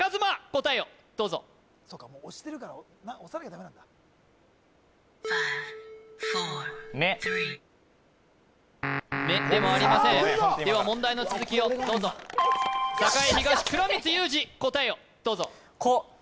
答えをどうぞそっかもう押してるから押さなきゃダメなんだめ「め」でもありませんでは問題の続きをどうぞ栄東倉光勇志答えをどうぞこ！